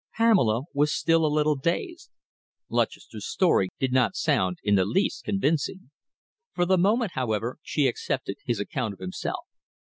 Pamela was still a little dazed. Lutchester's story did not sound in the least convincing. For the moment, however, she accepted his account of himself.